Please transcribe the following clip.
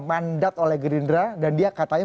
mandat oleh gerindra dan dia katanya